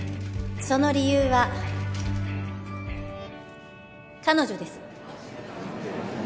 その理由は彼女です